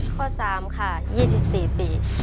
ข้อ๓ค่ะ๒๔ปี